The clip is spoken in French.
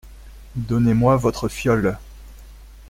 Donnez-moi votre fiole !